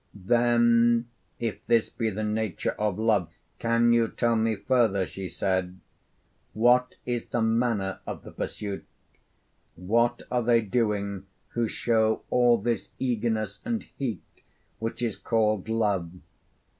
'Then if this be the nature of love, can you tell me further,' she said, 'what is the manner of the pursuit? what are they doing who show all this eagerness and heat which is called love?